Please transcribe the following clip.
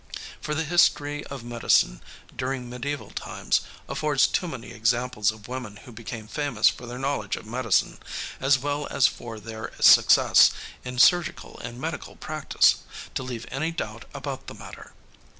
For the history of medicine during mediæval times affords too many examples of women who became famous for their knowledge of medicine, as well as for their success in surgical and medical practice, to leave any doubt about the matter.